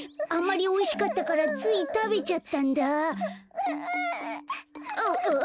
あんまりおいしかったからついたべちゃったんだ。